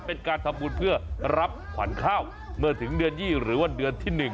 เป็นการทำบุญเพื่อรับขวัญข้าวเมื่อถึงเดือน๒หรือว่าเดือนที่๑